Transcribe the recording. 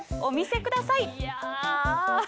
お見せください。